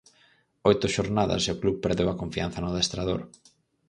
Oito xornadas e o club perdeu a confianza no adestrador.